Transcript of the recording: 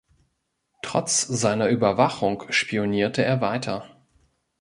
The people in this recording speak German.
Trotz seiner Überwachung spionierte er weiter.